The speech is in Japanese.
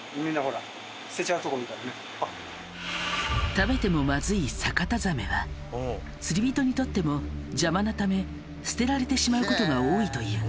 食べてもまずいサカタザメは釣り人にとっても邪魔なため捨てられてしまうことが多いというが。